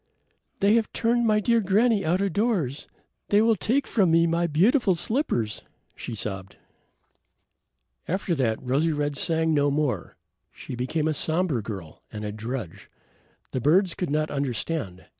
"They have turned my dear granny out of doors; they will take from me my beautiful slippers," she sobbed. After that, Rosy red sang no more. She became a somber girl and a drudge. The birds could not understand.